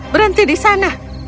berhenti di sana